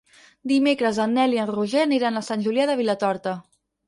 Dimecres en Nel i en Roger aniran a Sant Julià de Vilatorta.